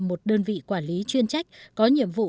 một đơn vị quản lý chuyên trách có nhiệm vụ